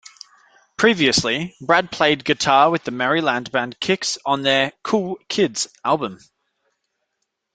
Previously, Brad played guitar with the Maryland band Kix on their "Cool Kids" album.